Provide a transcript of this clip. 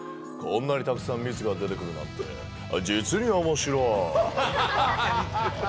こんなにたくさん蜜が出てくるなんて、実におもしろい。